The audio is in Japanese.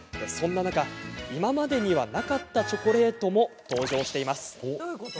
そんな中、今までにはなかったチョコレートも登場しています。